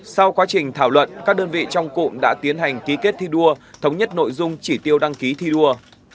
sau quá trình thảo luận các đơn vị trong cụm đã tiến hành ký kết thi đua thống nhất nội dung chỉ tiêu đăng ký thi đua